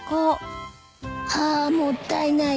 あもったいない。